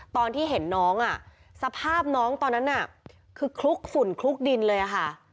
ตอนที่เห็นน้องสภาพน้องตอนนั้นน่ะคือคลุกฝุ่นคลุกดินเลยค่ะ